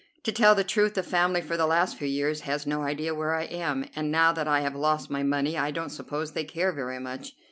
To tell the truth, the family for the last few years has no idea where I am, and now that I have lost my money I don't suppose they care very much.